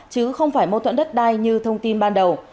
chứ không phải mâu thuẫn đất đai như thông tin ban đầu